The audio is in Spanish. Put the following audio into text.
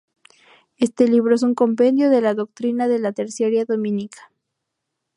Este libro es un compendio de la doctrina de la terciaria dominica.